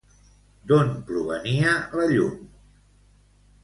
D'on provenia la llum?